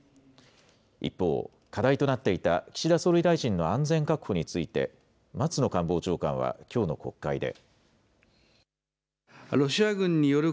一方、課題となっていた岸田総理大臣の安全確保について、松野官房長官はきょうの国会で。